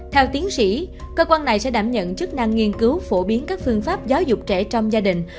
theo tiến sĩ cơ quan này sẽ đảm nhận chức năng nghiên cứu phổ biến các phương pháp giáo dục trẻ trong gia đình